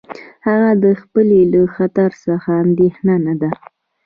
هغه د حملې له خطر څخه اندېښمن نه دی.